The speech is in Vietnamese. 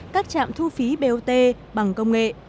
các trạm thu phí bot bằng công nghệ